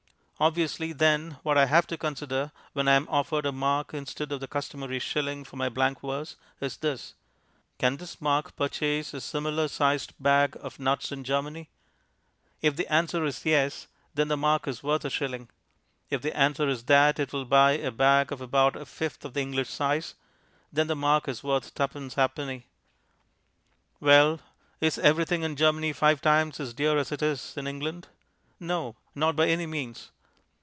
Obviously, then, what I have to consider, when I am offered a mark instead of the customary shilling for my blank verse, is this: "Can this mark purchase a similar sized bag of nuts in Germany?" If the answer is "Yes," then the mark is worth a shilling; if the answer is that it will only buy a bag of about a fifth of the English size, then the mark is worth tuppence ha'penny. Well, is everything in Germany five times as dear as it is in England? No. Not by any means.